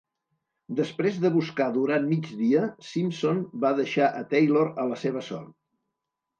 Després de buscar durant mig dia, Simpson va deixar a Taylor a la seva sort.